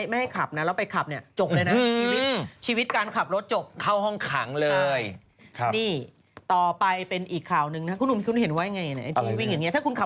ไม่ให้ขับแล้วไปขับเนี่ยจบเลยนะ